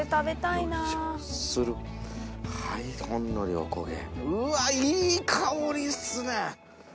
いい香りっすね！